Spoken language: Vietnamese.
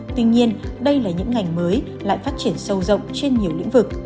tuy nhiên đây là những ngành mới lại phát triển sâu rộng trên nhiều lĩnh vực